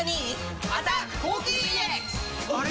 あれ？